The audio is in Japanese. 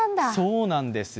そうなんです。